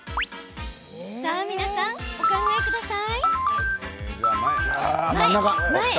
さあ皆さん、お考えください。